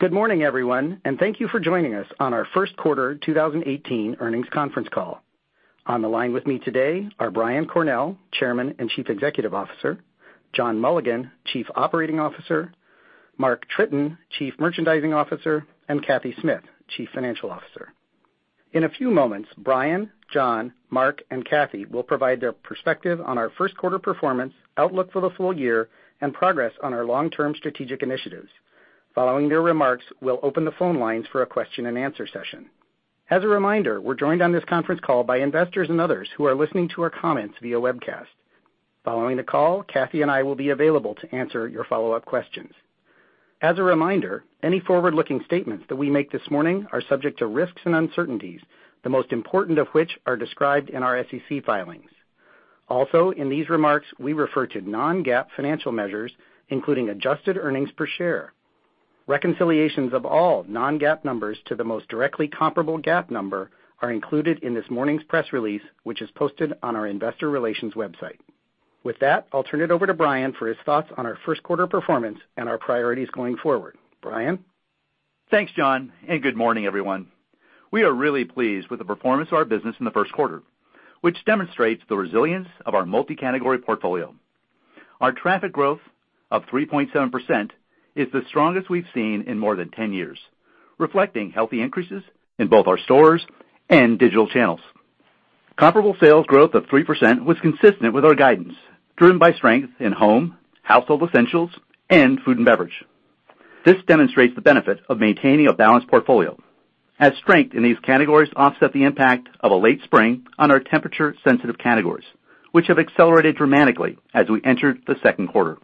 Good morning, everyone. Thank you for joining us on our first quarter 2018 earnings conference call. On the line with me today are Brian Cornell, Chairman and Chief Executive Officer, John Mulligan, Chief Operating Officer, Mark Tritton, Chief Merchandising Officer, and Cathy Smith, Chief Financial Officer. In a few moments, Brian, John, Mark, and Cathy will provide their perspective on our first quarter performance, outlook for the full year, and progress on our long-term strategic initiatives. Following their remarks, we will open the phone lines for a question and answer session. As a reminder, we are joined on this conference call by investors and others who are listening to our comments via webcast. Following the call, Cathy and I will be available to answer your follow-up questions. As a reminder, any forward-looking statements that we make this morning are subject to risks and uncertainties, the most important of which are described in our SEC filings. Also, in these remarks, we refer to non-GAAP financial measures, including adjusted earnings per share. Reconciliations of all non-GAAP numbers to the most directly comparable GAAP number are included in this morning's press release, which is posted on our investor relations website. With that, I will turn it over to Brian for his thoughts on our first quarter performance and our priorities going forward. Brian? Thanks, John. Good morning, everyone. We are really pleased with the performance of our business in the first quarter, which demonstrates the resilience of our multi-category portfolio. Our traffic growth of 3.7% is the strongest we have seen in more than 10 years, reflecting healthy increases in both our stores and digital channels. Comparable sales growth of 3% was consistent with our guidance, driven by strength in home, household essentials, and food and beverage. This demonstrates the benefit of maintaining a balanced portfolio, as strength in these categories offset the impact of a late spring on our temperature-sensitive categories, which have accelerated dramatically as we entered the second quarter.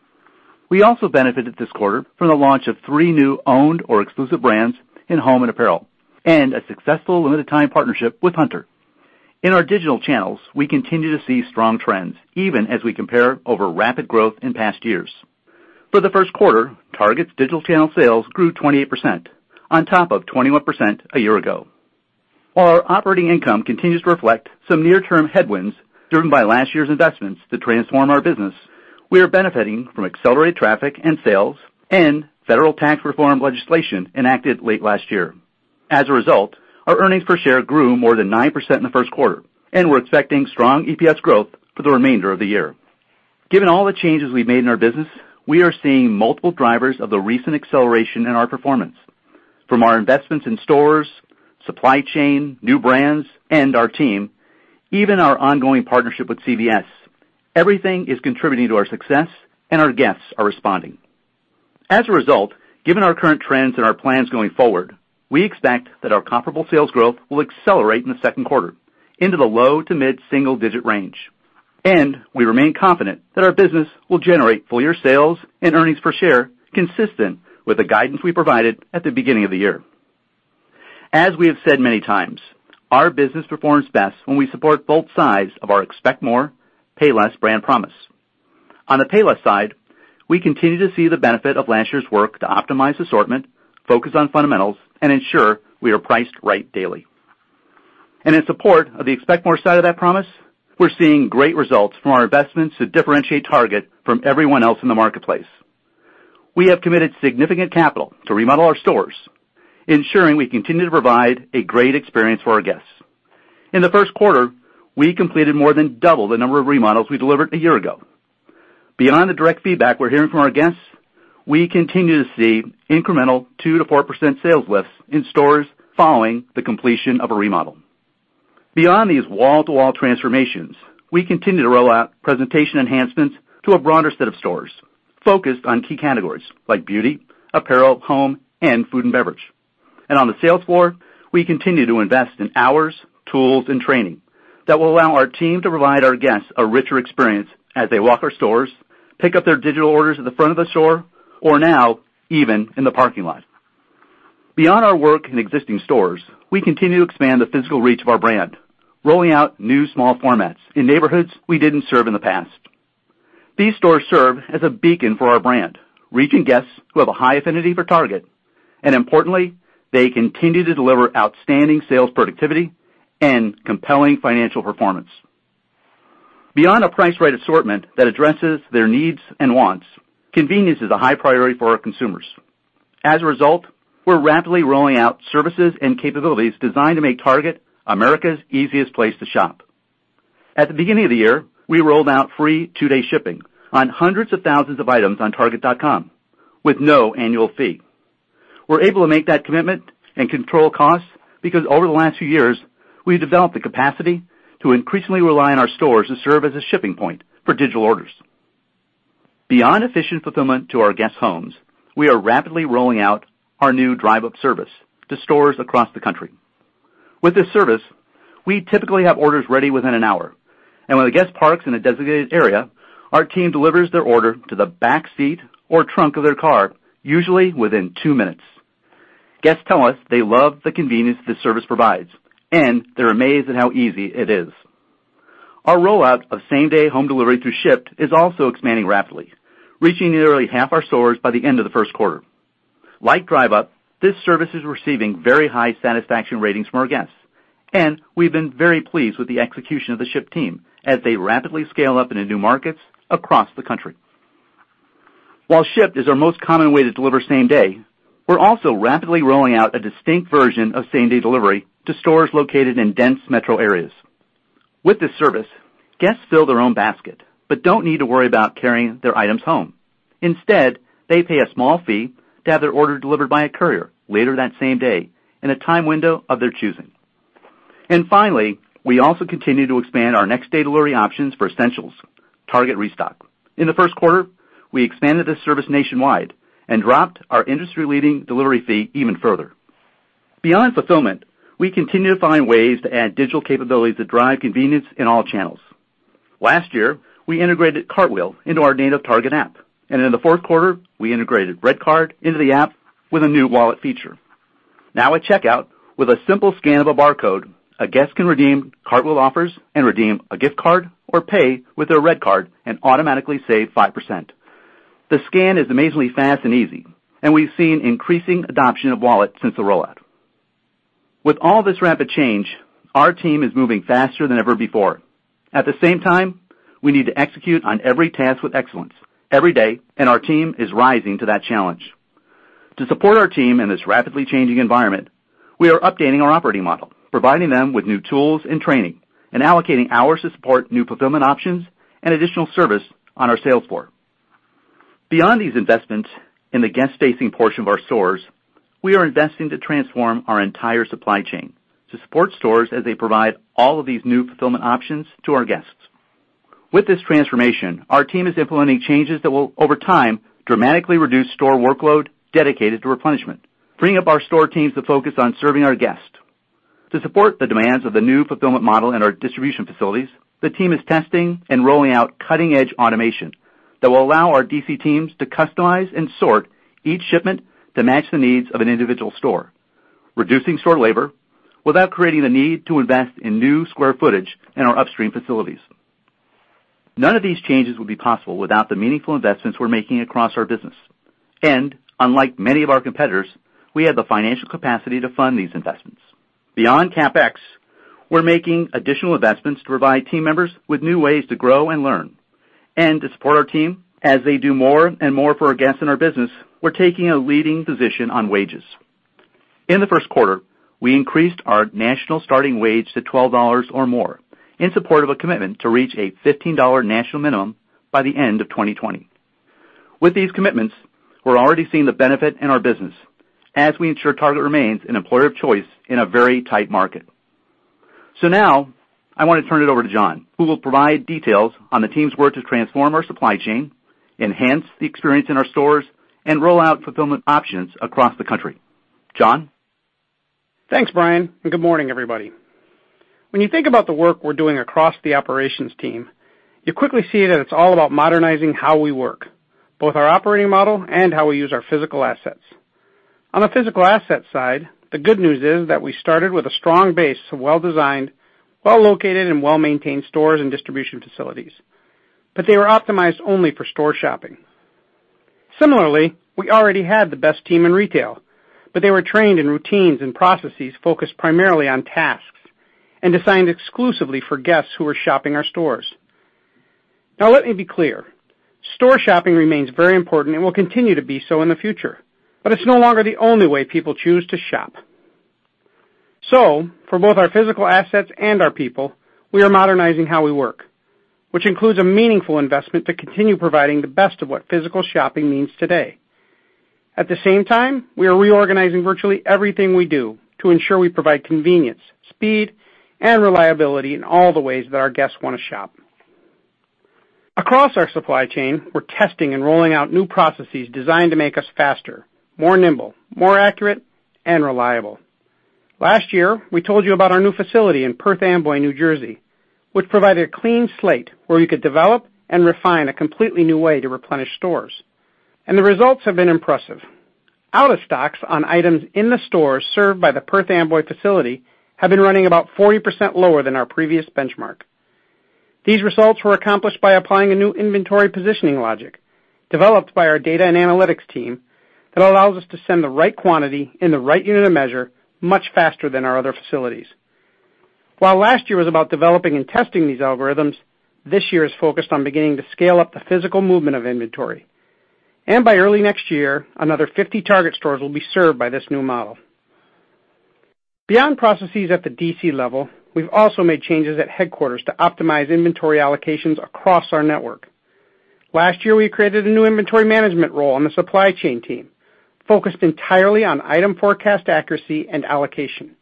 We also benefited this quarter from the launch of three new owned or exclusive brands in home and apparel and a successful limited time partnership with Hunter. In our digital channels, we continue to see strong trends, even as we compare over rapid growth in past years. For the first quarter, Target's digital channel sales grew 28%, on top of 21% a year ago. While our operating income continues to reflect some near-term headwinds driven by last year's investments to transform our business, we are benefiting from accelerated traffic and sales and federal tax reform legislation enacted late last year. As a result, our earnings per share grew more than 9% in the first quarter. We are expecting strong EPS growth for the remainder of the year. Given all the changes we have made in our business, we are seeing multiple drivers of the recent acceleration in our performance. From our investments in stores, supply chain, new brands, and our team, even our ongoing partnership with CVS. Everything is contributing to our success, our guests are responding. As a result, given our current trends and our plans going forward, we expect that our comparable sales growth will accelerate in the second quarter into the low to mid-single-digit range, we remain confident that our business will generate full-year sales and earnings per share consistent with the guidance we provided at the beginning of the year. As we have said many times, our business performs best when we support both sides of our Expect More, Pay Less brand promise. On the Pay Less side, we continue to see the benefit of last year's work to optimize assortment, focus on fundamentals, and ensure we are Price Right Daily. In support of the Expect More side of that promise, we're seeing great results from our investments to differentiate Target from everyone else in the marketplace. We have committed significant capital to remodel our stores, ensuring we continue to provide a great experience for our guests. In the first quarter, we completed more than double the number of remodels we delivered a year ago. Beyond the direct feedback we're hearing from our guests, we continue to see incremental 2%-4% sales lifts in stores following the completion of a remodel. Beyond these wall-to-wall transformations, we continue to roll out presentation enhancements to a broader set of stores focused on key categories like beauty, apparel, home, and food and beverage. On the sales floor, we continue to invest in hours, tools, and training that will allow our team to provide our guests a richer experience as they walk our stores, pick up their digital orders at the front of the store, or now, even in the parking lot. Beyond our work in existing stores, we continue to expand the physical reach of our brand, rolling out new small formats in neighborhoods we didn't serve in the past. These stores serve as a beacon for our brand, reaching guests who have a high affinity for Target, and importantly, they continue to deliver outstanding sales productivity and compelling financial performance. Beyond a price-right assortment that addresses their needs and wants, convenience is a high priority for our consumers. As a result, we're rapidly rolling out services and capabilities designed to make Target America's easiest place to shop. At the beginning of the year, we rolled out free two-day shipping on hundreds of thousands of items on target.com with no annual fee. We're able to make that commitment and control costs because over the last few years, we've developed the capacity to increasingly rely on our stores to serve as a shipping point for digital orders. Beyond efficient fulfillment to our guests' homes, we are rapidly rolling out our new Drive Up service to stores across the country. With this service, we typically have orders ready within an hour, when a guest parks in a designated area, our team delivers their order to the back seat or trunk of their car, usually within two minutes. Guests tell us they love the convenience this service provides, they're amazed at how easy it is. Our rollout of same-day home delivery through Shipt is also expanding rapidly, reaching nearly half our stores by the end of the first quarter. Like Drive Up, this service is receiving very high satisfaction ratings from our guests. We've been very pleased with the execution of the Shipt team as they rapidly scale up into new markets across the country. While Shipt is our most common way to deliver same-day, we're also rapidly rolling out a distinct version of same-day delivery to stores located in dense metro areas. With this service, guests fill their own basket, but don't need to worry about carrying their items home. Instead, they pay a small fee to have their order delivered by a courier later that same day in a time window of their choosing. Finally, we also continue to expand our next-day delivery options for essentials, Target Restock. In the first quarter, we expanded this service nationwide and dropped our industry-leading delivery fee even further. Beyond fulfillment, we continue to find ways to add digital capabilities that drive convenience in all channels. Last year, we integrated Cartwheel into our native Target app. In the fourth quarter, we integrated RedCard into the app with a new Wallet feature. Now at checkout, with a simple scan of a barcode, a guest can redeem Cartwheel offers, redeem a gift card, or pay with their RedCard and automatically save 5%. The scan is amazingly fast and easy. We've seen increasing adoption of Wallet since the rollout. With all this rapid change, our team is moving faster than ever before. At the same time, we need to execute on every task with excellence every day. Our team is rising to that challenge. To support our team in this rapidly changing environment, we are updating our operating model, providing them with new tools and training, allocating hours to support new fulfillment options and additional service on our sales floor. Beyond these investments in the guest-facing portion of our stores, we are investing to transform our entire supply chain to support stores as they provide all of these new fulfillment options to our guests. With this transformation, our team is implementing changes that will, over time, dramatically reduce store workload dedicated to replenishment, freeing up our store teams to focus on serving our guests. To support the demands of the new fulfillment model in our distribution facilities, the team is testing and rolling out cutting-edge automation that will allow our DC teams to customize and sort each shipment to match the needs of an individual store, reducing store labor without creating the need to invest in new square footage in our upstream facilities. None of these changes would be possible without the meaningful investments we're making across our business. Unlike many of our competitors, we have the financial capacity to fund these investments. Beyond CapEx, we're making additional investments to provide team members with new ways to grow and learn. To support our team as they do more and more for our guests in our business, we're taking a leading position on wages. In the first quarter, we increased our national starting wage to $12 or more in support of a commitment to reach a $15 national minimum by the end of 2020. With these commitments, we're already seeing the benefit in our business as we ensure Target remains an employer of choice in a very tight market. Now I want to turn it over to John, who will provide details on the team's work to transform our supply chain, enhance the experience in our stores, and roll out fulfillment options across the country. John? Thanks, Brian. Good morning, everybody. When you think about the work we're doing across the operations team, you quickly see that it's all about modernizing how we work, both our operating model and how we use our physical assets. On the physical asset side, the good news is that we started with a strong base of well-designed, well-located, and well-maintained stores and distribution facilities, but they were optimized only for store shopping. Similarly, we already had the best team in retail, but they were trained in routines and processes focused primarily on tasks and designed exclusively for guests who were shopping our stores. Let me be clear. Store shopping remains very important and will continue to be so in the future, but it's no longer the only way people choose to shop. For both our physical assets and our people, we are modernizing how we work, which includes a meaningful investment to continue providing the best of what physical shopping means today. At the same time, we are reorganizing virtually everything we do to ensure we provide convenience, speed, and reliability in all the ways that our guests want to shop. Across our supply chain, we're testing and rolling out new processes designed to make us faster, more nimble, more accurate, and reliable. Last year, we told you about our new facility in Perth Amboy, New Jersey, which provided a clean slate where we could develop and refine a completely new way to replenish stores. The results have been impressive. Out of stocks on items in the stores served by the Perth Amboy facility have been running about 40% lower than our previous benchmark. These results were accomplished by applying a new inventory positioning logic developed by our data and analytics team that allows us to send the right quantity in the right unit of measure much faster than our other facilities. While last year was about developing and testing these algorithms, this year is focused on beginning to scale up the physical movement of inventory. By early next year, another 50 Target stores will be served by this new model. Beyond processes at the DC level, we've also made changes at headquarters to optimize inventory allocations across our network. Last year, we created a new inventory management role on the supply chain team focused entirely on item forecast accuracy and allocation.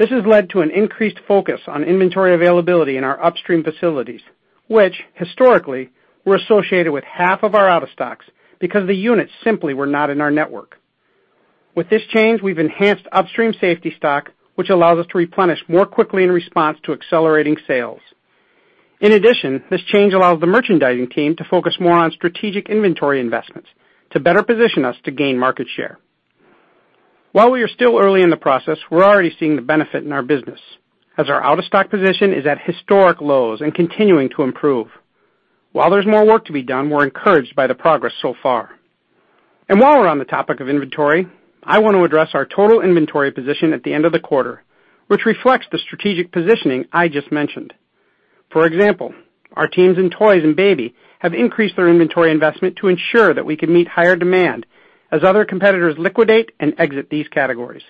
This has led to an increased focus on inventory availability in our upstream facilities, which historically were associated with half of our out of stocks because the units simply were not in our network. With this change, we've enhanced upstream safety stock, which allows us to replenish more quickly in response to accelerating sales. In addition, this change allows the merchandising team to focus more on strategic inventory investments to better position us to gain market share. While we are still early in the process, we're already seeing the benefit in our business as our out-of-stock position is at historic lows and continuing to improve. While there's more work to be done, we're encouraged by the progress so far. While we're on the topic of inventory, I want to address our total inventory position at the end of the quarter, which reflects the strategic positioning I just mentioned. For example, our teams in Toys and Baby have increased their inventory investment to ensure that we can meet higher demand as other competitors liquidate and exit these categories.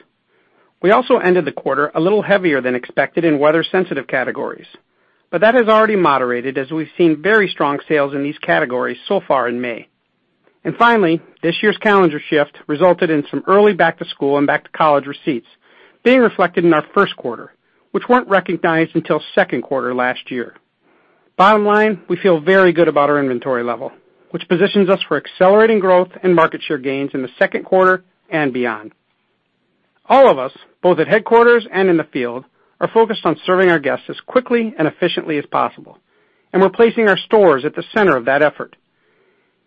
We also ended the quarter a little heavier than expected in weather-sensitive categories. That has already moderated as we've seen very strong sales in these categories so far in May. Finally, this year's calendar shift resulted in some early back to school and back to college receipts being reflected in our first quarter, which weren't recognized until second quarter last year. Bottom line, we feel very good about our inventory level, which positions us for accelerating growth and market share gains in the second quarter and beyond. All of us, both at headquarters and in the field, are focused on serving our guests as quickly and efficiently as possible, and we're placing our stores at the center of that effort.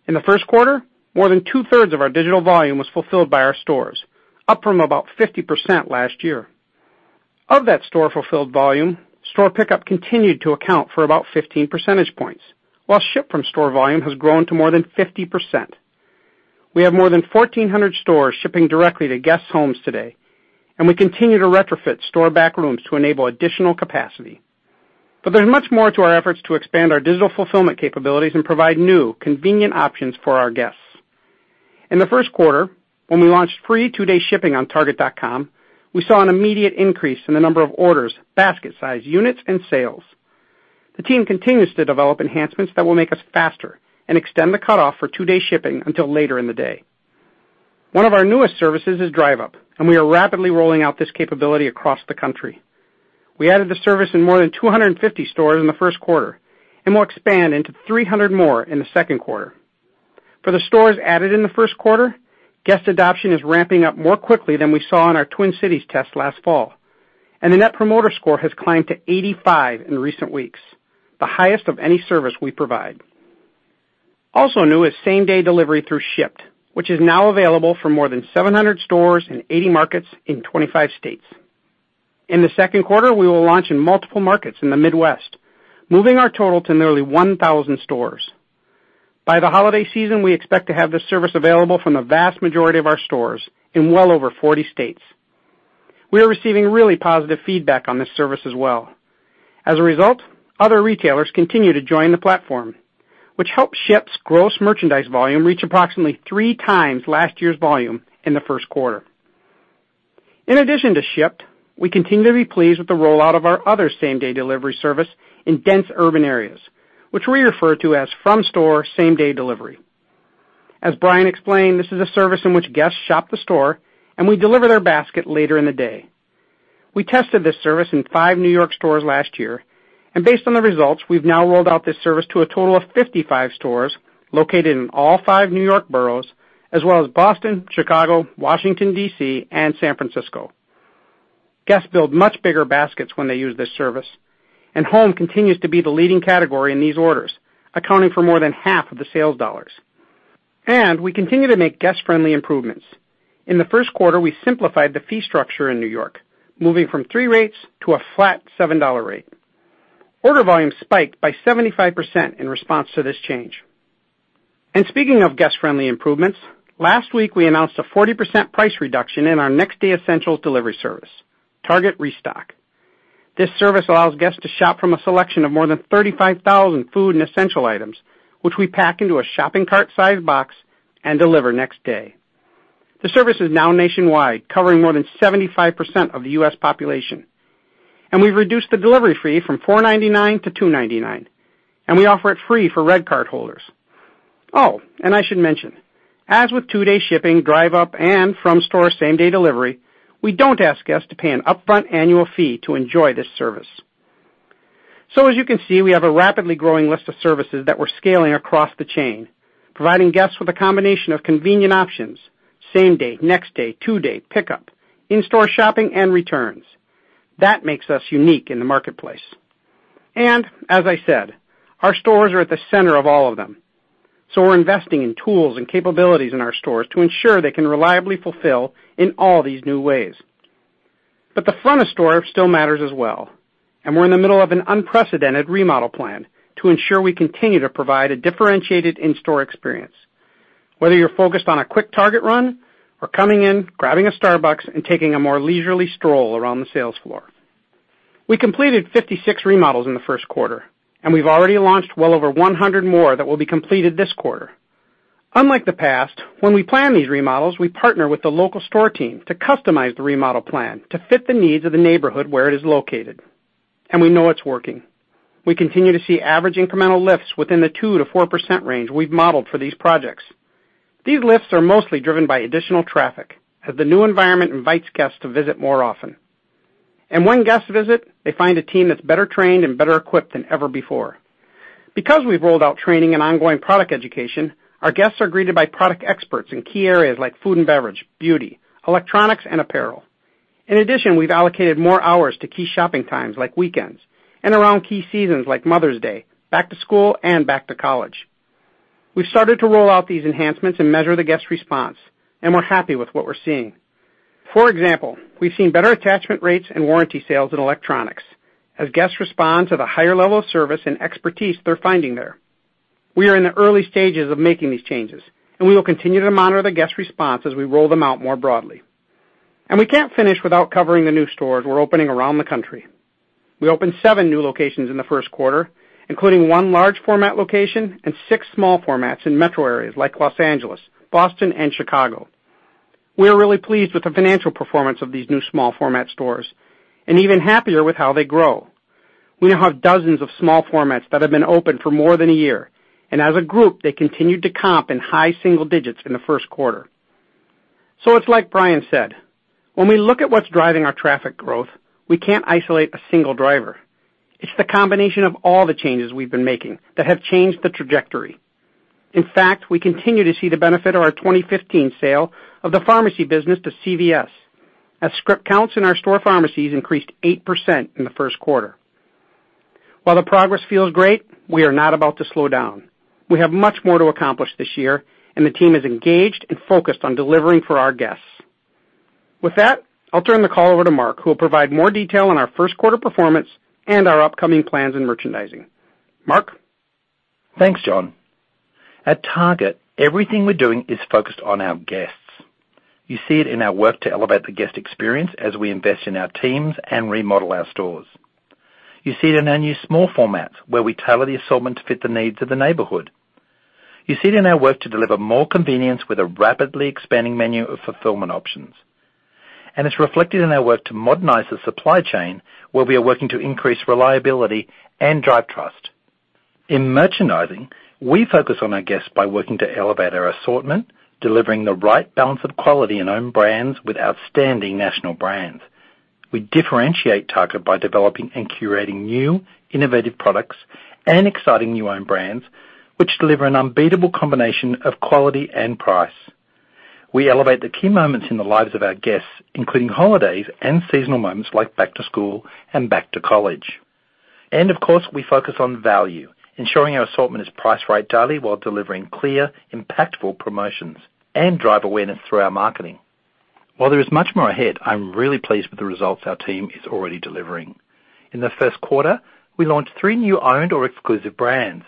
In the first quarter, more than two-thirds of our digital volume was fulfilled by our stores, up from about 50% last year. Of that store-fulfilled volume, store pickup continued to account for about 15 percentage points, while ship-from-store volume has grown to more than 50%. We have more than 1,400 stores shipping directly to guests' homes today, and we continue to retrofit store back rooms to enable additional capacity. There's much more to our efforts to expand our digital fulfillment capabilities and provide new convenient options for our guests. In the first quarter, when we launched free two-day shipping on target.com, we saw an immediate increase in the number of orders, basket size, units, and sales. The team continues to develop enhancements that will make us faster and extend the cutoff for two-day shipping until later in the day. One of our newest services is Drive Up, and we are rapidly rolling out this capability across the country. We added the service in more than 250 stores in the first quarter and will expand into 300 more in the second quarter. For the stores added in the first quarter, guest adoption is ramping up more quickly than we saw in our Twin Cities test last fall. The Net Promoter Score has climbed to 85 in recent weeks, the highest of any service we provide. Also new is same-day delivery through Shipt, which is now available for more than 700 stores in 80 markets in 25 states. In the second quarter, we will launch in multiple markets in the Midwest, moving our total to nearly 1,000 stores. By the holiday season, we expect to have this service available from the vast majority of our stores in well over 40 states. We are receiving really positive feedback on this service as well. As a result, other retailers continue to join the platform, which helps Shipt's gross merchandise volume reach approximately 3x last year's volume in the first quarter. In addition to Shipt, we continue to be pleased with the rollout of our other same-day delivery service in dense urban areas, which we refer to as from store same-day delivery. As Brian explained, this is a service in which guests shop the store, and we deliver their basket later in the day. We tested this service in five New York stores last year. Based on the results, we've now rolled out this service to a total of 55 stores located in all five New York boroughs, as well as Boston, Chicago, Washington, D.C., and San Francisco. Guests build much bigger baskets when they use this service, and home continues to be the leading category in these orders, accounting for more than half of the sales dollars. We continue to make guest-friendly improvements. In the first quarter, we simplified the fee structure in New York, moving from three rates to a flat $7 rate. Order volume spiked by 75% in response to this change. Speaking of guest-friendly improvements, last week, we announced a 40% price reduction in our next-day essentials delivery service, Target Restock. This service allows guests to shop from a selection of more than 35,000 food and essential items, which we pack into a shopping cart-sized box and deliver next day. The service is now nationwide, covering more than 75% of the U.S. population. We've reduced the delivery fee from $4.99 to $2.99, and we offer it free for RedCard holders. I should mention, as with two-day shipping, Drive Up, and from store same-day delivery, we don't ask guests to pay an upfront annual fee to enjoy this service. As you can see, we have a rapidly growing list of services that we're scaling across the chain, providing guests with a combination of convenient options, same-day, next-day, two-day, pickup, in-store shopping, and returns. That makes us unique in the marketplace. As I said, our stores are at the center of all of them, so we're investing in tools and capabilities in our stores to ensure they can reliably fulfill in all these new ways. The front of store still matters as well, and we're in the middle of an unprecedented remodel plan to ensure we continue to provide a differentiated in-store experience, whether you're focused on a quick Target Run or coming in, grabbing a Starbucks, and taking a more leisurely stroll around the sales floor. We completed 56 remodels in the first quarter, and we've already launched well over 100 more that will be completed this quarter. Unlike the past, when we plan these remodels, we partner with the local store team to customize the remodel plan to fit the needs of the neighborhood where it is located, and we know it's working. We continue to see average incremental lifts within the 2%-4% range we've modeled for these projects. These lifts are mostly driven by additional traffic as the new environment invites guests to visit more often. When guests visit, they find a team that's better trained and better equipped than ever before. Because we've rolled out training and ongoing product education, our guests are greeted by product experts in key areas like food and beverage, beauty, electronics, and apparel. In addition, we've allocated more hours to key shopping times like weekends and around key seasons like Mother's Day, back to school, and back to college. We've started to roll out these enhancements and measure the guest response, and we're happy with what we're seeing. For example, we've seen better attachment rates and warranty sales in electronics as guests respond to the higher level of service and expertise they're finding there. We are in the early stages of making these changes, we will continue to monitor the guest response as we roll them out more broadly. We can't finish without covering the new stores we're opening around the country. We opened seven new locations in the first quarter, including one large format location and six small formats in metro areas like Los Angeles, Boston, and Chicago. We are really pleased with the financial performance of these new small format stores, and even happier with how they grow. We now have dozens of small formats that have been open for more than a year, and as a group, they continued to comp in high single digits in the first quarter. It's like Brian said, when we look at what's driving our traffic growth, we can't isolate a single driver. It's the combination of all the changes we've been making that have changed the trajectory. In fact, we continue to see the benefit of our 2015 sale of the pharmacy business to CVS, as script counts in our store pharmacies increased 8% in the first quarter. While the progress feels great, we are not about to slow down. We have much more to accomplish this year, and the team is engaged and focused on delivering for our guests. With that, I'll turn the call over to Mark, who will provide more detail on our first quarter performance and our upcoming plans in merchandising. Mark? Thanks, John. At Target, everything we're doing is focused on our guests. You see it in our work to elevate the guest experience as we invest in our teams and remodel our stores. You see it in our new small formats, where we tailor the assortment to fit the needs of the neighborhood. You see it in our work to deliver more convenience with a rapidly expanding menu of fulfillment options. It's reflected in our work to modernize the supply chain, where we are working to increase reliability and drive trust. In merchandising, we focus on our guests by working to elevate our assortment, delivering the right balance of quality and own brands with outstanding national brands. We differentiate Target by developing and curating new, innovative products and exciting new own brands, which deliver an unbeatable combination of quality and price. We elevate the key moments in the lives of our guests, including holidays and seasonal moments like back to school and back to college. Of course, we focus on value, ensuring our assortment is Price Right Daily while delivering clear, impactful promotions and drive awareness through our marketing. While there is much more ahead, I'm really pleased with the results our team is already delivering. In the first quarter, we launched 3 new owned or exclusive brands,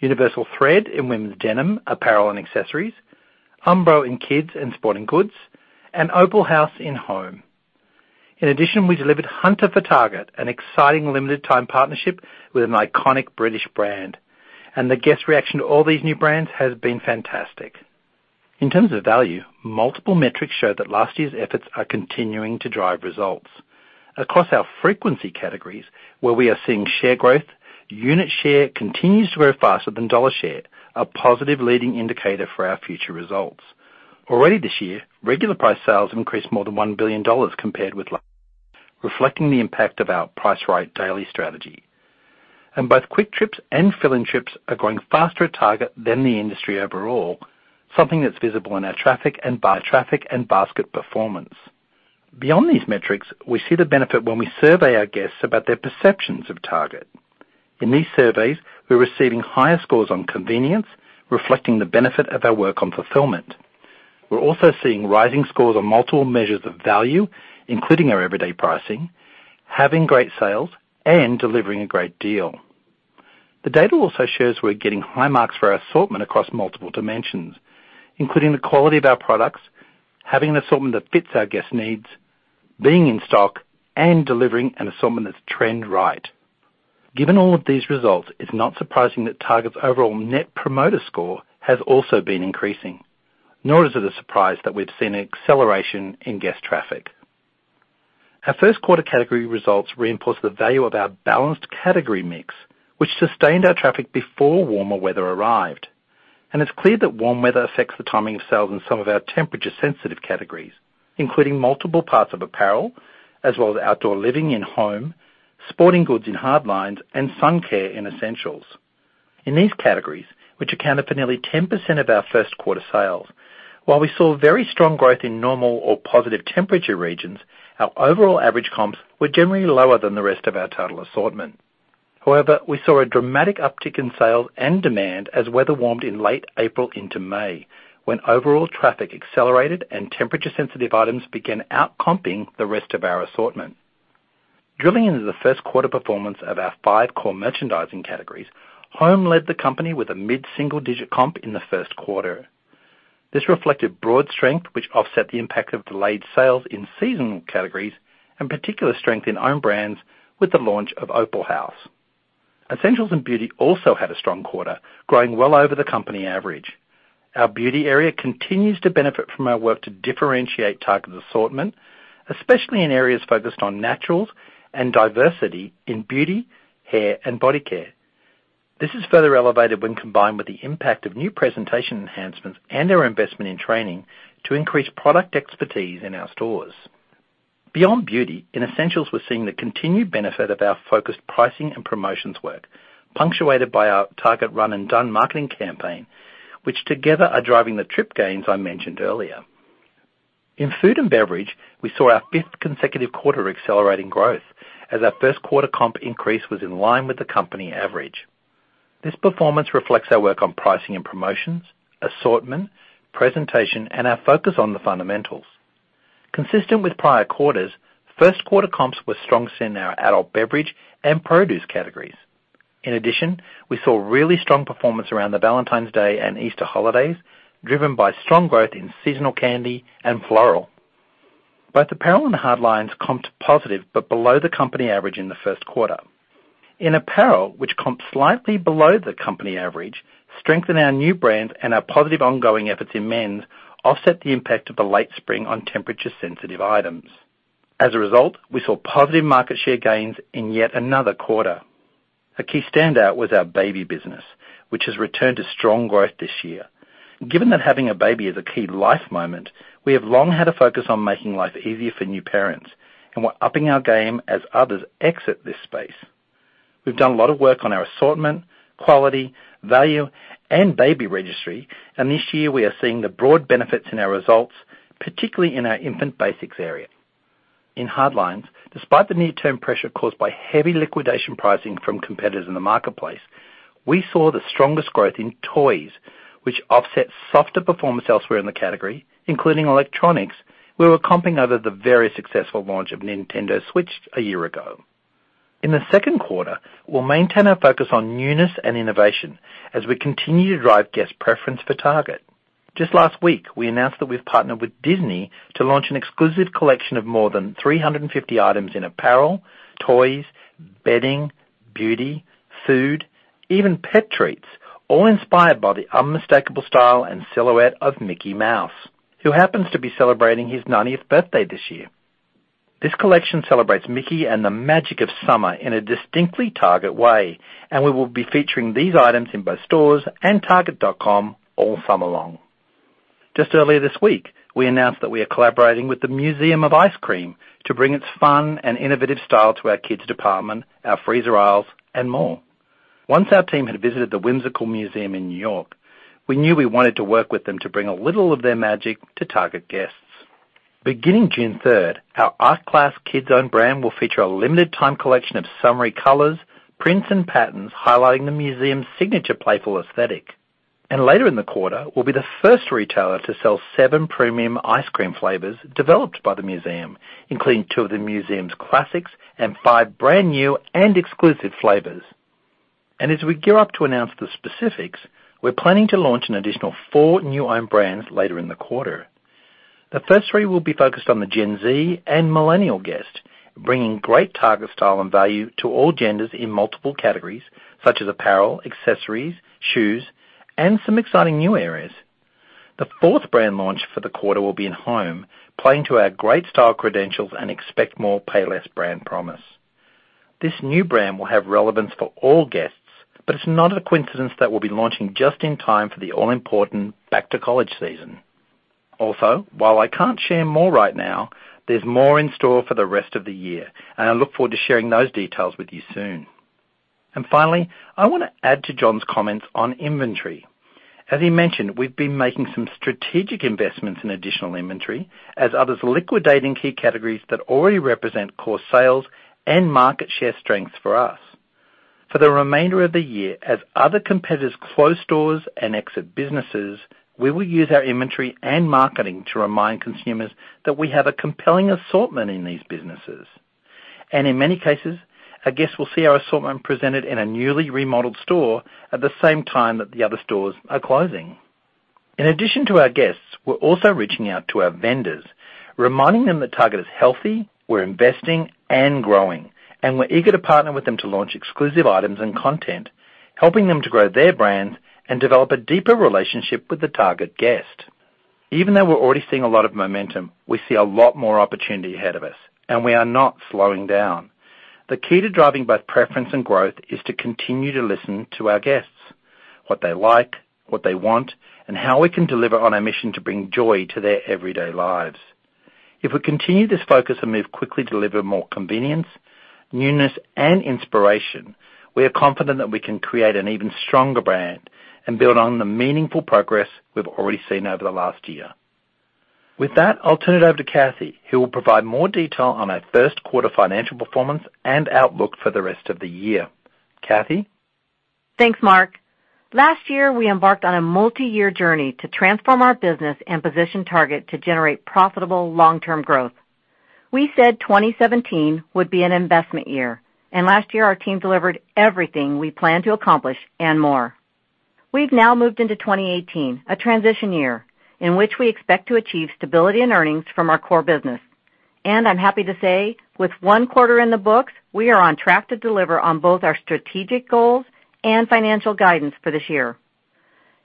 Universal Thread in women's denim, apparel, and accessories, Umbro in kids and sporting goods, and Opalhouse in home. In addition, we delivered Hunter for Target, an exciting limited time partnership with an iconic British brand. The guest reaction to all these new brands has been fantastic. In terms of value, multiple metrics show that last year's efforts are continuing to drive results. Across our frequency categories, where we are seeing share growth, unit share continues to grow faster than dollar share, a positive leading indicator for our future results. Already this year, regular price sales have increased more than $1 billion compared with last, reflecting the impact of our Price Right Daily strategy. Both quick trips and fill-in trips are growing faster at Target than the industry overall, something that's visible in our traffic and basket performance. Beyond these metrics, we see the benefit when we survey our guests about their perceptions of Target. In these surveys, we're receiving higher scores on convenience, reflecting the benefit of our work on fulfillment. We're also seeing rising scores on multiple measures of value, including our everyday pricing, having great sales, and delivering a great deal. The data also shows we're getting high marks for our assortment across multiple dimensions, including the quality of our products, having an assortment that fits our guests' needs, being in stock, and delivering an assortment that's trend-right. Given all of these results, it's not surprising that Target's overall Net Promoter Score has also been increasing. Nor is it a surprise that we've seen acceleration in guest traffic. Our first quarter category results reinforce the value of our balanced category mix, which sustained our traffic before warmer weather arrived. It's clear that warm weather affects the timing of sales in some of our temperature-sensitive categories, including multiple parts of apparel, as well as outdoor living in home, sporting goods in hard lines, and sun care in essentials. In these categories, which accounted for nearly 10% of our first quarter sales, while we saw very strong growth in normal or positive temperature regions, our overall average comps were generally lower than the rest of our total assortment. However, we saw a dramatic uptick in sales and demand as weather warmed in late April into May, when overall traffic accelerated and temperature-sensitive items began out-comping the rest of our assortment. Drilling into the first quarter performance of our five core merchandising categories, home led the company with a mid-single digit comp in the first quarter. This reflected broad strength, which offset the impact of delayed sales in seasonal categories and particular strength in own brands with the launch of Opalhouse. Essentials and beauty also had a strong quarter, growing well over the company average. Our beauty area continues to benefit from our work to differentiate Target assortment, especially in areas focused on naturals and diversity in beauty, hair, and body care. This is further elevated when combined with the impact of new presentation enhancements and our investment in training to increase product expertise in our stores. Beyond beauty, in essentials, we're seeing the continued benefit of our focused pricing and promotions work, punctuated by our Target Run & Done marketing campaign, which together are driving the trip gains I mentioned earlier. In food and beverage, we saw our fifth consecutive quarter accelerating growth, as our first quarter comp increase was in line with the company average. This performance reflects our work on pricing and promotions, assortment, presentation, and our focus on the fundamentals. Consistent with prior quarters, first quarter comps were strongest in our adult beverage and produce categories. In addition, we saw really strong performance around the Valentine's Day and Easter holidays, driven by strong growth in seasonal candy and floral. Both apparel and hard lines comped positive, but below the company average in the first quarter. In apparel, which comped slightly below the company average, strength in our new brand and our positive ongoing efforts in men's offset the impact of the late spring on temperature-sensitive items. As a result, we saw positive market share gains in yet another quarter. A key standout was our baby business, which has returned to strong growth this year. Given that having a baby is a key life moment, we have long had a focus on making life easier for new parents, and we're upping our game as others exit this space. We've done a lot of work on our assortment, quality, value, and baby registry, and this year we are seeing the broad benefits in our results, particularly in our infant basics area. In hard lines, despite the near-term pressure caused by heavy liquidation pricing from competitors in the marketplace, we saw the strongest growth in toys, which offset softer performance elsewhere in the category, including electronics, where we're comping over the very successful launch of Nintendo Switch a year ago. In the second quarter, we'll maintain our focus on newness and innovation as we continue to drive guest preference for Target. Just last week, we announced that we've partnered with Disney to launch an exclusive collection of more than 350 items in apparel, toys, bedding, beauty, food, even pet treats, all inspired by the unmistakable style and silhouette of Mickey Mouse, who happens to be celebrating his 90th birthday this year. This collection celebrates Mickey and the magic of summer in a distinctly Target way, and we will be featuring these items in both stores and target.com all summer long. Just earlier this week, we announced that we are collaborating with the Museum of Ice Cream to bring its fun and innovative style to our kids' department, our freezer aisles, and more. Once our team had visited the whimsical museum in New York, we knew we wanted to work with them to bring a little of their magic to Target guests. Beginning June 3rd, our Art Class Kids Own brand will feature a limited time collection of summery colors, prints, and patterns highlighting the museum's signature playful aesthetic. Later in the quarter, we'll be the first retailer to sell seven premium ice cream flavors developed by the museum, including two of the museum's classics and five brand-new and exclusive flavors. As we gear up to announce the specifics, we're planning to launch an additional four new own brands later in the quarter. The first three will be focused on the Gen Z and millennial guest, bringing great Target style and value to all genders in multiple categories such as apparel, accessories, shoes, and some exciting new areas. The fourth brand launch for the quarter will be in home, playing to our great style credentials and Expect More. Pay Less. brand promise. This new brand will have relevance for all guests, but it's not a coincidence that we'll be launching just in time for the all-important back-to-college season. While I can't share more right now, there's more in store for the rest of the year, I look forward to sharing those details with you soon. Finally, I want to add to John's comments on inventory. As he mentioned, we've been making some strategic investments in additional inventory as others are liquidating key categories that already represent core sales and market share strengths for us. For the remainder of the year, as other competitors close stores and exit businesses, we will use our inventory and marketing to remind consumers that we have a compelling assortment in these businesses. In many cases, a guest will see our assortment presented in a newly remodeled store at the same time that the other stores are closing. In addition to our guests, we're also reaching out to our vendors, reminding them that Target is healthy, we're investing and growing, and we're eager to partner with them to launch exclusive items and content, helping them to grow their brands and develop a deeper relationship with the Target guest. Even though we're already seeing a lot of momentum, we see a lot more opportunity ahead of us, we are not slowing down. The key to driving both preference and growth is to continue to listen to our guests, what they like, what they want, and how we can deliver on our mission to bring joy to their everyday lives. If we continue this focus and move quickly to deliver more convenience, newness, and inspiration, we are confident that we can create an even stronger brand and build on the meaningful progress we've already seen over the last year. With that, I'll turn it over to Cathy, who will provide more detail on our first quarter financial performance and outlook for the rest of the year. Cathy? Thanks, Mark. Last year, we embarked on a multi-year journey to transform our business and position Target to generate profitable long-term growth. We said 2017 would be an investment year, last year our team delivered everything we planned to accomplish and more. We've now moved into 2018, a transition year in which we expect to achieve stability and earnings from our core business. I'm happy to say, with one quarter in the books, we are on track to deliver on both our strategic goals and financial guidance for this year.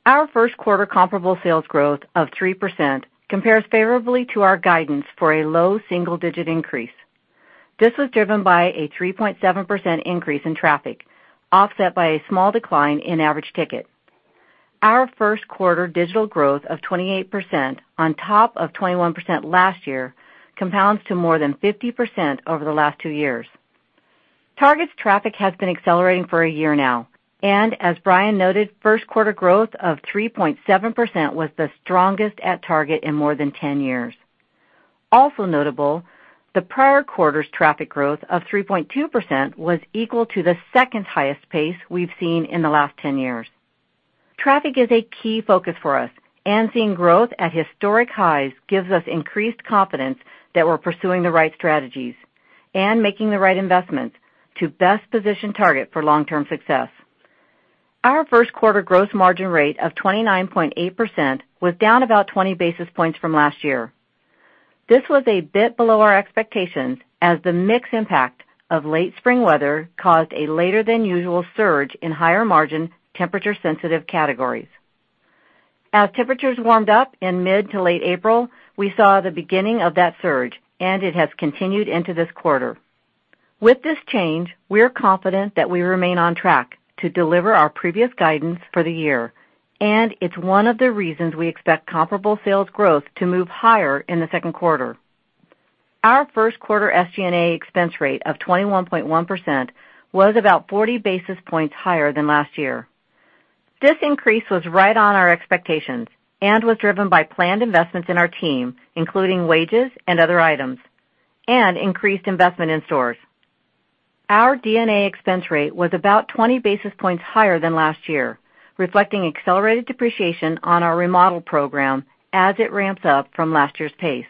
Our first quarter comparable sales growth of 3% compares favorably to our guidance for a low single-digit increase. This was driven by a 3.7% increase in traffic, offset by a small decline in average ticket. Our first quarter digital growth of 28% on top of 21% last year compounds to more than 50% over the last two years. Target's traffic has been accelerating for a year now. As Brian noted, first quarter growth of 3.7% was the strongest at Target in more than 10 years. Also notable, the prior quarter's traffic growth of 3.2% was equal to the second highest pace we've seen in the last 10 years. Traffic is a key focus for us, and seeing growth at historic highs gives us increased confidence that we're pursuing the right strategies and making the right investments to best position Target for long-term success. Our first quarter gross margin rate of 29.8% was down about 20 basis points from last year. This was a bit below our expectations, as the mix impact of late spring weather caused a later than usual surge in higher margin temperature sensitive categories. As temperatures warmed up in mid to late April, we saw the beginning of that surge, and it has continued into this quarter. With this change, we're confident that we remain on track to deliver our previous guidance for the year, and it's one of the reasons we expect comparable sales growth to move higher in the second quarter. Our first quarter SG&A expense rate of 21.1% was about 40 basis points higher than last year. This increase was right on our expectations and was driven by planned investments in our team, including wages and other items, and increased investment in stores. Our D&A expense rate was about 20 basis points higher than last year, reflecting accelerated depreciation on our remodel program as it ramps up from last year's pace.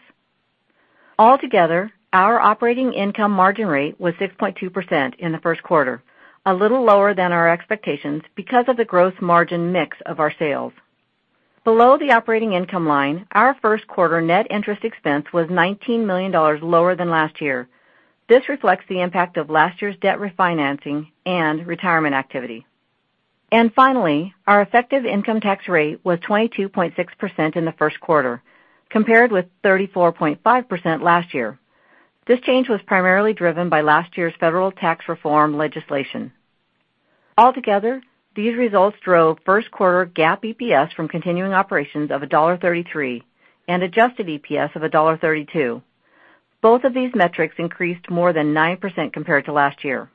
Altogether, our operating income margin rate was 6.2% in the first quarter, a little lower than our expectations because of the gross margin mix of our sales. Below the operating income line, our first quarter net interest expense was $19 million lower than last year. This reflects the impact of last year's debt refinancing and retirement activity. Finally, our effective income tax rate was 22.6% in the first quarter, compared with 34.5% last year. This change was primarily driven by last year's federal tax reform legislation. Altogether, these results drove first quarter GAAP EPS from continuing operations of $1.33 and adjusted EPS of $1.32. Both of these metrics increased more than 9% compared to last year.